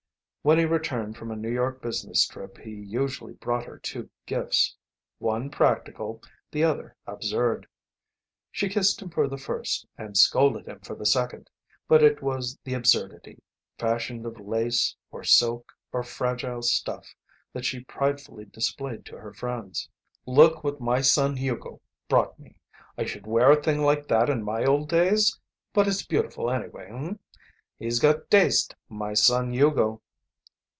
When he returned from a New York business trip he usually brought her two gifts, one practical, the other absurd. She kissed him for the first and scolded him for the second, but it was the absurdity, fashioned of lace, or silk, or fragile stuff, that she pridefully displayed to her friends. "Look what my son Hugo brought me. I should wear a thing like that in my old days. But it's beautiful anyway, h'm? He's got taste, my son Hugo."